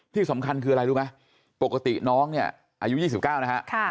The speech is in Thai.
ที่สำคัญคืออะไรรู้ไหมปกติน้องเนี่ยอายุยี่สิบเก้านะฮะค่ะ